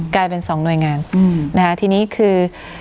กลายเป็นสองหน่วยงานนะคะทีนี้คือ